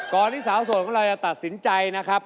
ที่สาวโสดของเราจะตัดสินใจนะครับ